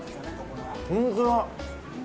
本当だ！